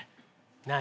何？